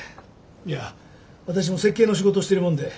いや私も設計の仕事をしているもんで。